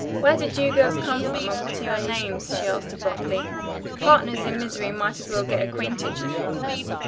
"Where did you girls come from and what are your names?" she asked abruptly. "Partners in misery might as well get acquainted, you know."